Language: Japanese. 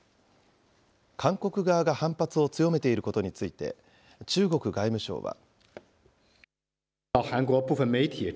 韓国側が反発を強めていることについて、中国外務省は。